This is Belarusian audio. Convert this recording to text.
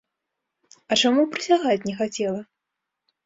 А чаму прысягаць не хацела?